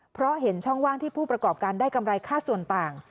เพราะเห็นช่องว่างที่ผู้ประกอบการได้กำไรค่าส่วนต่าง